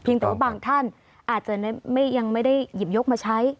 แต่ว่าบางท่านอาจจะยังไม่ได้หยิบยกมาใช้